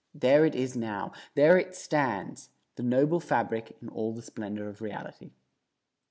There it is now; there it stands, the noble fabric in all the splendor of reality.